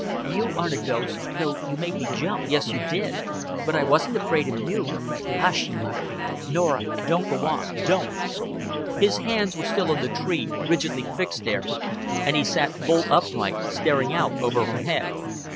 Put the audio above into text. "You aren't a ghost though you made me jump, yes, you did. But I wasn't afraid of you." "Hush," he muttered. "Norah, don't go on don't." His hands were still on the tree, rigidly fixed there, and he sat bolt upright, staring out over her head.